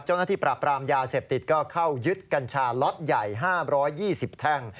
เจ้าหน้าที่ปราบรามยาเสพติดก็เข้ายึดกัญชาล็อตใหญ่๕๒๐แท่ง